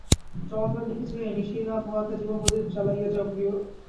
চমৎকার লিখেছে হে– নিশি না পোহাতে জীবনপ্রদীপ জ্বালাইয়া যাও প্রিয়া!